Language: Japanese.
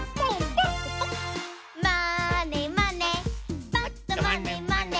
「まーねまねぱっとまねまね」